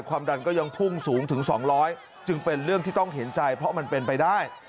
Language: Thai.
ความดันก็ยังพุ่งสูงถึง๒๐๐จึงเป็นเรื่องที่ต้องเห็นใจเพราะมันเป็นไปได้